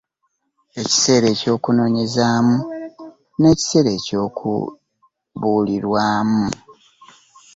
Ekiseera eky'okunoonyezaamu, n'ekiseera eky'okubulirwamu.